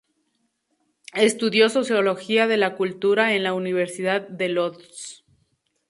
Estudió Sociología de la Cultura en la Universidad de Łódź.